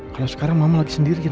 kalau sekarang mama lagi sendiri